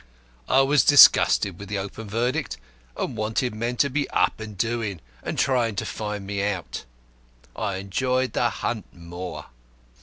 I was disgusted with the open verdict, and wanted men to be up and doing and trying to find me out. I enjoyed the hunt more.